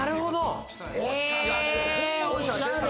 おしゃれ！